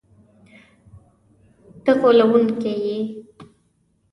ته غولونکی یې!”